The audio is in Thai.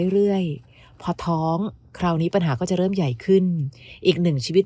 เรื่อยพอท้องคราวนี้ปัญหาก็จะเริ่มใหญ่ขึ้นอีกหนึ่งชีวิต